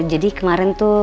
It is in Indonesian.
jadi kemarin tuh